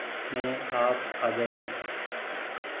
مينٚ آپ آجآيو